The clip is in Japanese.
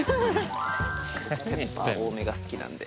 多めが好きなんで。